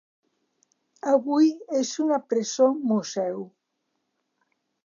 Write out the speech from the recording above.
Avui és una presó museu.